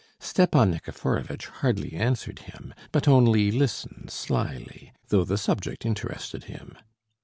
Stepan Nikiforovitch hardly answered him, but only listened slyly, though the subject interested him.